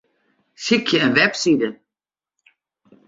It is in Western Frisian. Sykje in webside.